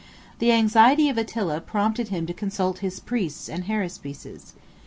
The anxiety of Attila prompted him to consult his priests and haruspices.